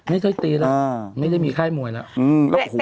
ตีแล้วไม่ได้มีค่ายมวยแล้ว